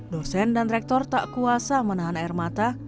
dosen dan rektor tak kuasa menahan air mata